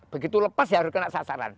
begitu lepas ya harus kena sasaran